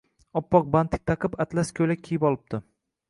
Oppoq bantik taqib, atlas ko‘ylak kiyib olibdi.